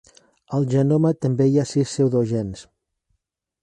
Al genoma també hi ha sis pseudogens.